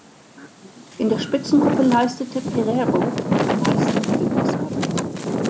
In der Spitzengruppe leistete Pereiro am meisten Führungsarbeit.